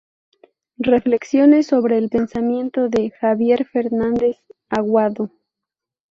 Reflexiones sobre el pensamiento de Javier Fernández Aguado".